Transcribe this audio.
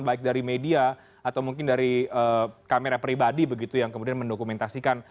baik dari media atau mungkin dari kamera pribadi begitu yang kemudian mendokumentasikan